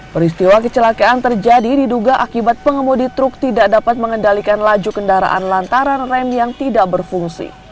peristiwa kecelakaan terjadi diduga akibat pengemudi truk tidak dapat mengendalikan laju kendaraan lantaran rem yang tidak berfungsi